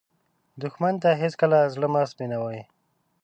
دښمن ته هېڅکله زړه مه سپينوې